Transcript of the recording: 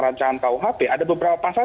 rancangan kuhp ada beberapa pasal